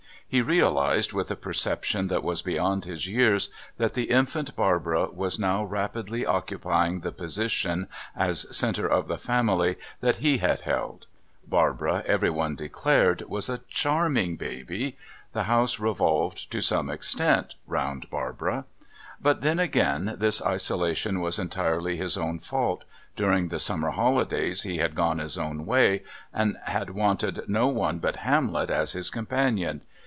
He realised, with a perception that was beyond his years, that the infant Barbara was now rapidly occupying the position, as centre of the family, that he had held. Barbara, everyone declared, was a charming baby the house revolved, to some extent, round Barbara. But, then again, this isolation was entirely his own fault. During the summer holidays he had gone his own way, and had wanted no one but Hamlet as his companion.